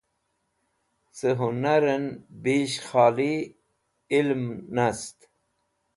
Cẽ hũnarẽn beshkhali ilẽm nast.